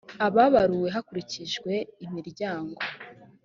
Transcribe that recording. ababaruwe hakurikijwe imiryango